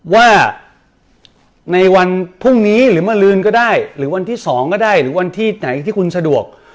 ว่าในวันพรุ่งนี้หรือมาลืนก็ได้หรือวันที่๒ก็ได้หรือวันที่ไหนที่คุณสะดวก